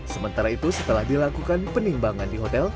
sementara itu setelah dilakukan penimbangan di hotel